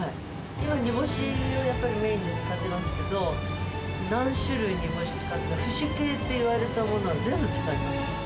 今、煮干しをメインに使ってますけど、何種類煮干し使ったか、節系といわれるものは全部使いました。